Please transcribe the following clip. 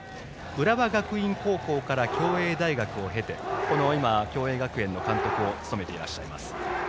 浦和学院高校から共栄大学を経てこの共栄学園の監督を務めていらっしゃいます。